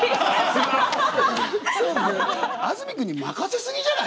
安住くんに任せ過ぎじゃない？